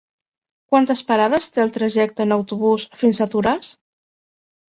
Quantes parades té el trajecte en autobús fins a Toràs?